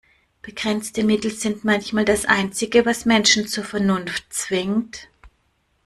Begrenzte Mittel sind manchmal das Einzige, was Menschen zur Vernunft zwingt.